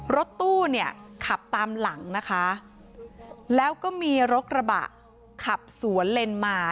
รถตู้เนี่ยขับตามหลังนะคะแล้วก็มีรถกระบะขับสวนเลนมา